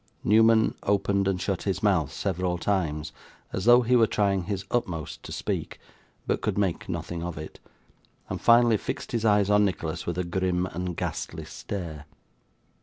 Newman opened and shut his mouth, several times, as though he were trying his utmost to speak, but could make nothing of it, and finally fixed his eyes on Nicholas with a grim and ghastly stare.